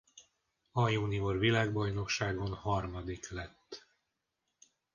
A junior világbajnokságon harmadik lett.